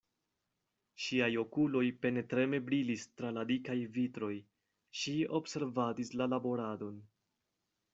Ŝiaj okuloj penetreme brilis tra la dikaj vitroj: ŝi observadis la laboradon.